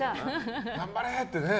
頑張れ！ってね。